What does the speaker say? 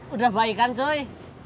udah baik kan cuy